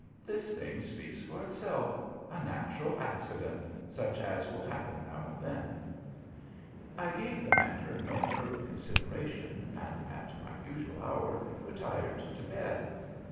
This thing speaks for itself. A natural accident, such as will happen now and then!" I gave the matter no further consideration, and at my usual hour retired to bed.